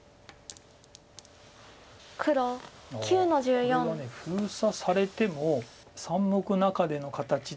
これは封鎖されても三目中手の形で生きる。